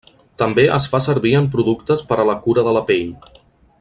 També es fa servir en productes per la cura de la pell.